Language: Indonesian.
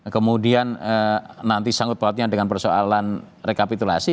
kemudian nanti sanggup perhatian dengan persoalan rekapitulasi